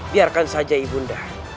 biarkan saja yunda